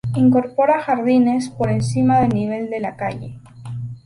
Incorpora jardines por encima del nivel de la calle.